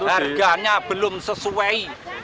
harganya belum sesuai